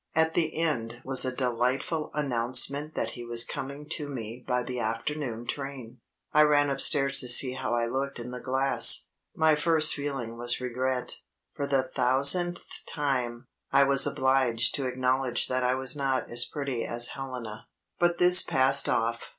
At the end was a delightful announcement that he was coming to me by the afternoon train. I ran upstairs to see how I looked in the glass. My first feeling was regret. For the thousandth time, I was obliged to acknowledge that I was not as pretty as Helena. But this passed off.